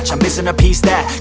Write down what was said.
saya tetap sendiri